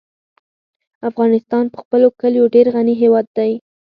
افغانستان په خپلو کلیو ډېر غني هېواد دی.